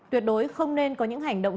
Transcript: tuyệt đối không nên có những hành động